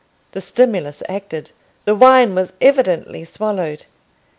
The stimulus acted: the wine was evidently swallowed.